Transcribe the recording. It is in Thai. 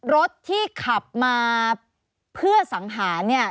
รถที่ขับมาเพื่อสังหา